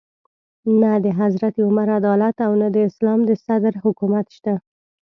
نه د حضرت عمر عدالت او نه د اسلام د صدر حکومت شته.